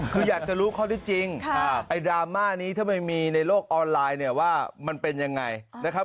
คืออยากจะรู้ข้อที่จริงไอ้ดราม่านี้ถ้ามันมีในโลกออนไลน์เนี่ยว่ามันเป็นยังไงนะครับ